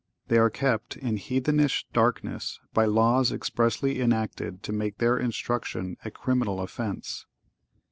They are kept in heathenish darkness by laws expressly enacted to make their instruction a criminal offence.